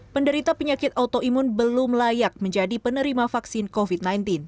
penderita penyakit autoimun belum layak menjadi penerima vaksin covid sembilan belas